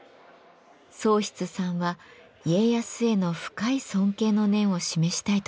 宗さんは家康への深い尊敬の念を示したいと考えました。